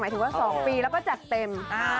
ถึงว่า๒ปีแล้วก็จัดเต็ม